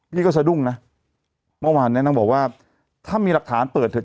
พี่ก็สะดุ้งนะเมื่อวานเนี้ยนางบอกว่าถ้ามีหลักฐานเปิดเถอ